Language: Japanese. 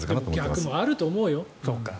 逆もあると思うよ。